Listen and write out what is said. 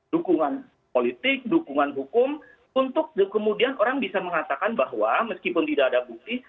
dukungan politik dukungan hukum untuk kemudian orang bisa mengatakan bahwa meskipun tidak ada bukti